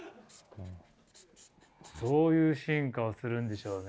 どういう進化をするんでしょうね。